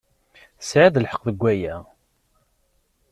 Tesɛid lḥeqq deg waya.